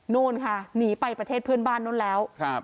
นู่นค่ะหนีไปประเทศเพื่อนบ้านนู้นแล้ว